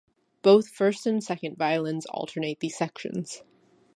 Both first and second violins alternate these sections.